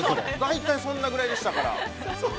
◆大体そんなぐらいですから。